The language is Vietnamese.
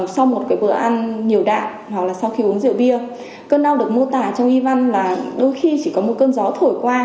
sau một cái bữa ăn nhiều đạn hoặc là sau khi uống rượu bia cơn đau được mô tả trong y văn là đôi khi chỉ có một cơn gió thổi qua